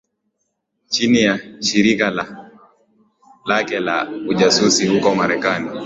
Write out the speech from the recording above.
chini ya Shirika lake la Ujasusi huko Marekani